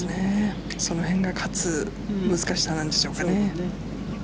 その辺が勝つ難しさなんでしょうかね。